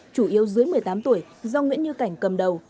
chủ yếu dưới một mươi tám tuổi do nguyễn như cảnh cầm đầu